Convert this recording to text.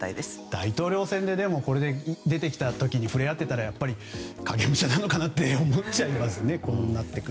大統領選でこれで出てきた時に触れ合ってきたら影武者かなって思っちゃいますよね。